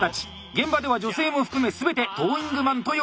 現場では女性も含め全てトーイングマンと呼ばれております。